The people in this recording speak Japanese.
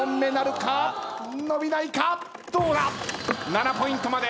⁉７ポイントまで。